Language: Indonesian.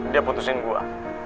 dia putusin gue